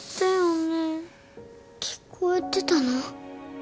聞こえてたの？